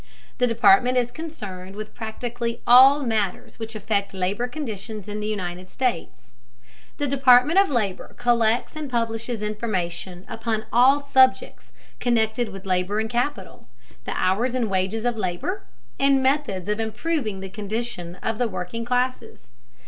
The Department is concerned with practically all matters which affect labor conditions in the United States. The Department of Labor collects and publishes information upon all subjects connected with labor and capital, the hours and wages of labor, and methods of improving the condition of the working classes.